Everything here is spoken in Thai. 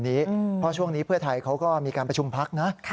เพราะช่วงนี้เพื่อไทยเขาก็มีการประชุมพักนะ